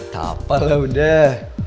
gapapa lah udah